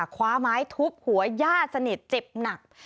คว้าไม้ทุบหัวย่าสนิทเจ็บหนัก